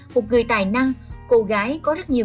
một người tài năng cô gái có rất nhiều